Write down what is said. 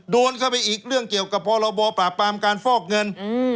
โดนเข้าไปอีกเรื่องเกี่ยวกับพรบปราบปรามการฟอกเงิน